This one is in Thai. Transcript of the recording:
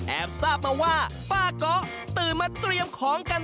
แอบทราบมาว่าป่าก๊อกตื่นมาเตรียมของกัน